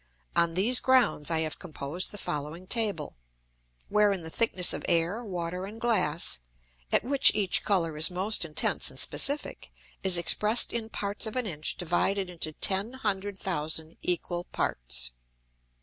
On these Grounds I have composed the following Table, wherein the thickness of Air, Water, and Glass, at which each Colour is most intense and specifick, is expressed in parts of an Inch divided into ten hundred thousand equal parts.